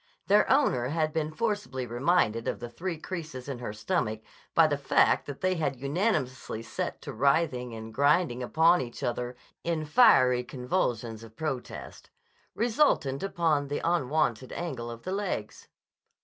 Their owner had been forcibly reminded of the three creases in her stomach by the fact that they had unanimously set to writhing and grinding upon each other in fiery convolutions of protest, resultant upon the unwonted angle of the legs.